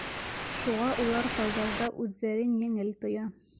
Шуға улар тауҙарҙа үҙҙәрен еңел тоя.